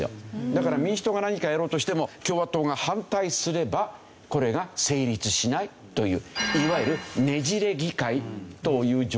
だから民主党が何かやろうとしても共和党が反対すればこれが成立しないといういわゆるねじれ議会という状態になっていた。